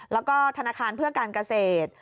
แล้วก็ธนาคารเพื่อการเกษตร